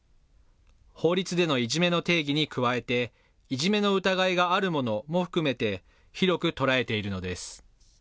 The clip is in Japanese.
法律でのいじめの定義に加えて、いじめの疑いがあるものも含めて、広く捉えているのです。